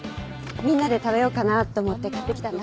みんなで食べようかなと思って買ってきたんだ。